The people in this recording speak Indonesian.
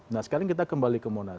nah sekarang kita kembali ke monas